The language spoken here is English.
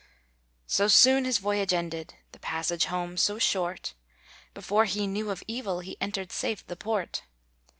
So soon his voyage ended, The passage home so short, Before he knew of evil, He entered safe the port.